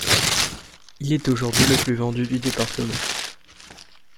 Il est aujourd'hui le plus vendu du département.